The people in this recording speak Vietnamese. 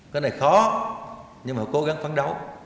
cái này khó nhưng mà cố gắng phấn đấu